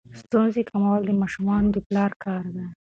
ستونزې کمول د ماشومانو د پلار کار دی.